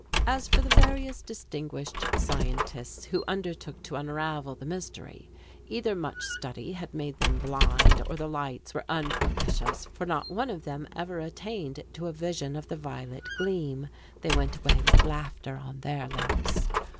As for the various distinguished scientists who undertook to unravel the mystery, either much study had made them blind, or the lights were unpropitious; for not one of them ever attained to a vision of the violet gleam. They went away with laughter on their lips.